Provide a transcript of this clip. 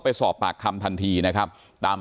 ไม่มีไม่มีไม่มีไม่มี